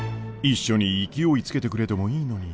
一緒に勢いつけてくれてもいいのに。